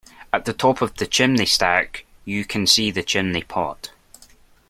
At the top of the chimney stack, you can see the chimney pot